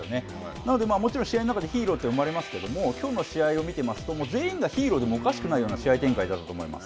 なので、もちろん試合の中でヒーローって生まれますけど、きょうの試合を見ていますと全員がヒーローでもおかしくない試合展開だったと思います。